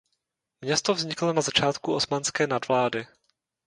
Město vzniklo na začátku osmanské nadvlády.